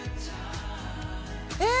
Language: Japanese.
え！